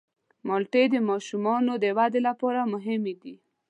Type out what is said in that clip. مالټې د ماشومانو د ودې لپاره مهمې دي.